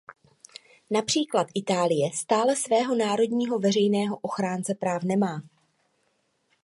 Například Itálie stále svého národního veřejného ochránce práv nemá.